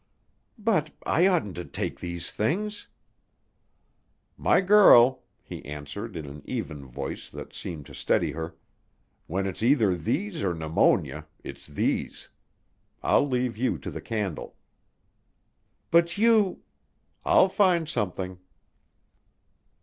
"But I oughtn't to take these things!" "My girl," he answered in an even voice that seemed to steady her, "when it's either these or pneumonia it's these. I'll leave you the candle." "But you " "I'll find something."